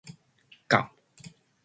ガム